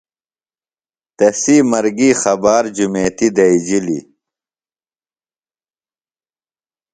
تسی مرگیۡ خبار جُمیتیۡ دئیجِلیۡ.